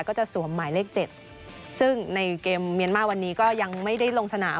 ก็จะสวมหมายเลขเจ็ดซึ่งในเกมเมียนมาร์วันนี้ก็ยังไม่ได้ลงสนาม